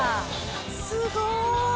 すごい！